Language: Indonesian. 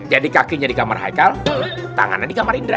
jadi kakinya di kamar hai kal tangannya di kamar indra